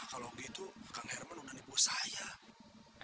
kalau gitu jullie saya rhoda di some hmm